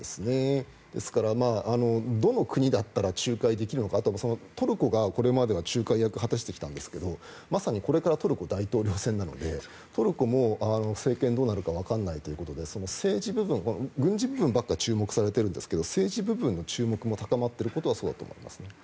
ですから、どの国だったら仲介できるのかトルコがこれまでは仲介役を果たしてきたんですけどまさにこれからトルコは大統領選なのでトルコも政権がどうなるかわからないということで軍事部分ばかり注目されているんですが政治部分の注目が高まっていることはそうだと思います。